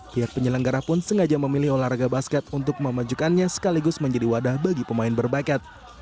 pihak penyelenggara pun sengaja memilih olahraga basket untuk memajukannya sekaligus menjadi wadah bagi pemain berbakat